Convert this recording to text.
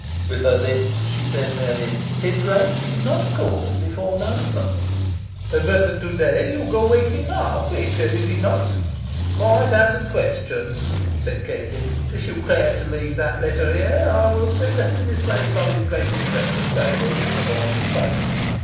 With her lips she said merely, "His Grace is not called before nine o'clock." "But to day you go wake him now quick is it not?" "Quite out of the question," said Katie. "If you care to leave that letter here, I will see that it is placed on his Grace's breakfast table, with the morning's post."